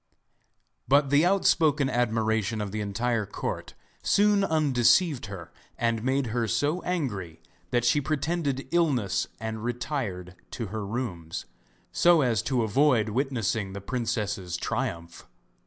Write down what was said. But the outspoken admiration of the entire court soon undeceived her, and made her so angry that she pretended illness and retired to her own rooms, so as to avoid witnessing the princess's triumph.